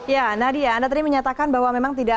ya nadia anda tadi menyatakan bahwa memang tidak